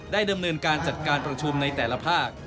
ดำเนินการจัดการประชุมในแต่ละภาค